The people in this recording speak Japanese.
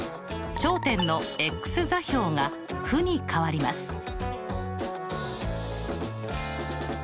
頂点の座標も負に変わりましたね。